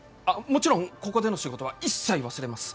もちろんここでの仕事は一切忘れます